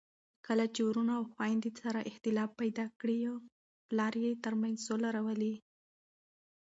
کله چي وروڼه او خويندې سره اختلاف پیدا کړي، پلار یې ترمنځ سوله راولي.